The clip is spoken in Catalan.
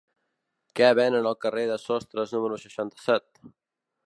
Què venen al carrer de Sostres número seixanta-set?